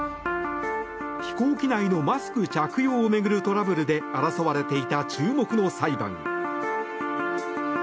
飛行機内のマスク着用を巡るトラブルで争われていた注目の裁判。